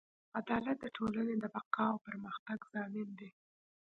عدالت د ټولنې د بقا او پرمختګ ضامن دی.